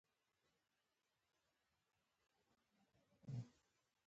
ده پرېمانه پيسې درلودې او شتمن و